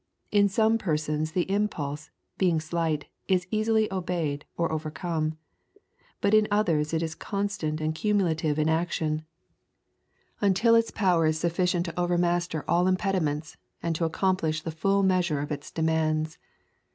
In some persons the impulse, being slight, is easily obeyed or overcome. But in others it is constant and cumulative in action until its [ xiv ] Introduction power is sufficient to overmaster all impedi ments, and to accomplish the full measure of its demands.